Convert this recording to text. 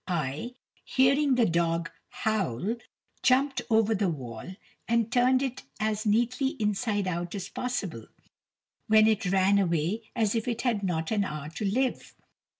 I, hearing the dog howl, jumped over the wall; and turned it as neatly inside out as possible, when it ran away as if it had not an hour to live.